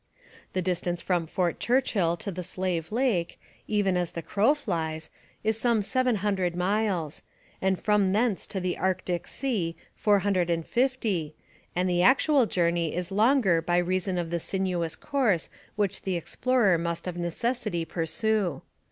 The distance from Fort Churchill to the Slave Lake, even as the crow flies, is some seven hundred miles, and from thence to the Arctic sea four hundred and fifty, and the actual journey is longer by reason of the sinuous course which the explorer must of necessity pursue.